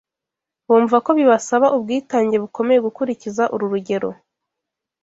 Bumva ko bibasaba ubwitange bukomeye gukurikiza uru rugero